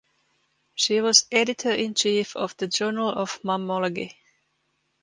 She was editor in chief of the "Journal of Mammalogy".